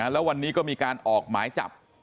แล้ววันนี้ก็มีการออกหมายจับ